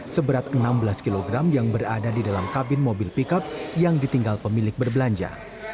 seberat enam belas kg yang berada di dalam kabin mobil pickup yang ditinggal pemilik berbelanja